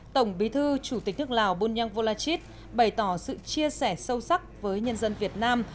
tổng bí thư chủ tịch nước lào bunyang volachit bày tỏ sự chia sẻ sâu sắc với nhân dân việt nam